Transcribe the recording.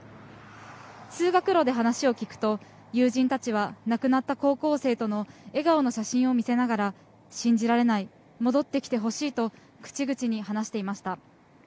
通学路で話を聞くと、友人たちは亡くなった高校生との笑顔の写真を見せながら、信じられない、戻ってきてほしいと、口々に話していました。